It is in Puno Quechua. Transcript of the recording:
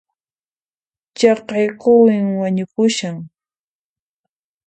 Chaqay quwin wañupushan